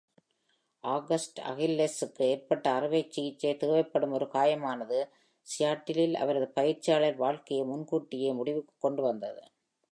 August அகில்லெஸ்ஸுக்கு ஏற்பட்ட அறுவை சிகிச்சை தேவைப்படும் ஒரு காயமானது, சியாட்டிலில் அவரது பயிற்சியாளர் வாழ்க்கையை முன்கூட்டியே முடிவுக்குக் கொண்டு வந்தது.